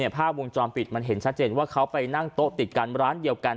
ภาพวงจรปิดมันเห็นชัดเจนว่าเขาไปนั่งโต๊ะติดกันร้านเดียวกัน